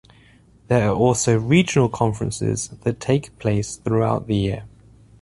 There are also regional conferences that take place throughout the year.